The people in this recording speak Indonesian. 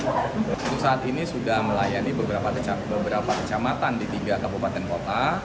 untuk saat ini sudah melayani beberapa kecamatan di tiga kabupaten kota